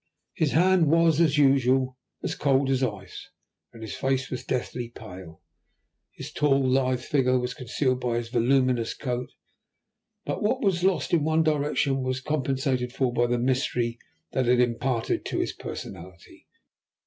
His hand was, as usual, as cold as ice and his face was deathly pale. His tall, lithe figure was concealed by his voluminous coat, but what was lost in one direction was compensated for by the mystery that it imparted to his personality.